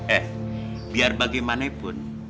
eh biar bagaimanapun